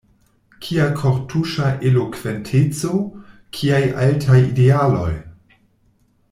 Kia kortuŝa elokventeco; kiaj altaj idealoj!